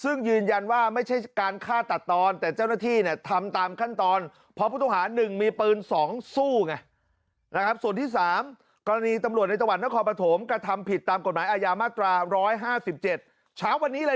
ซึ่งยืนยันว่าไม่ใช่การฆ่าตัดตอนแต่เจ้าหน้าที่เนี้ยทำตามขั้นตอน